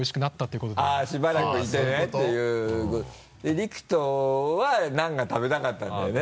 陸斗はナンが食べたかったんだよね？